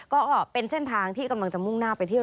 ก็เป็นเส้นทางที่กำลังจะมุ่งหน้าไปเที่ยว